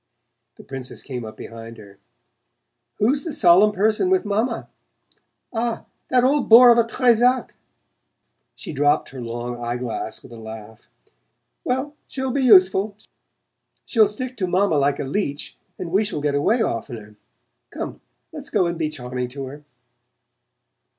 The Princess came up behind her. "Who's the solemn person with Mamma? Ah, that old bore of a Trezac!" She dropped her long eye glass with a laugh. "Well, she'll be useful she'll stick to Mamma like a leech and we shall get away oftener. Come, let's go and be charming to her."